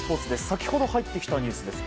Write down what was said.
先ほど入ってきたニュースです。